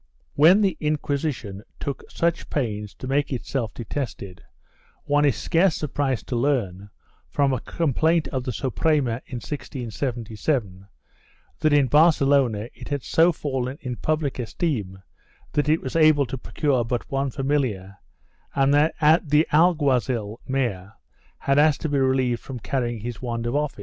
3 When the Inquisition took such pains to make itself detested, one is scarce surprised to learn, from a complaint of the Suprema in 1677, that in Barcelona it had so fallen in public esteem that it was able to procure but one familiar and that the alguazil mayor had asked to be relieved from carrying his wand of office, for no 1 Archive g£n.